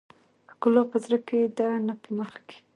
ښکلا په زړه کې ده نه په مخ کې .